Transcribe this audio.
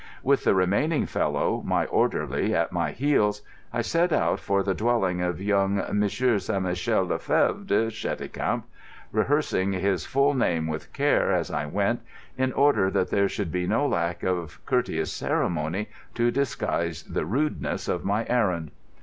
With the remaining fellow, my orderly, at my heels, I set out for the dwelling of young Monsieur St. Michel le Fevre de Cheticamp, rehearsing his full name with care as I went, in order that there should be no lack of courteous ceremony to disguise the rudeness of my errand.